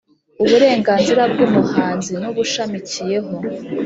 Uburenganzira bw umuhanzi n ubushamikiyeho